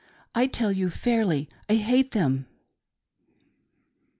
I tell you fairly, I hate them."